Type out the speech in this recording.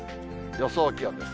予想気温です。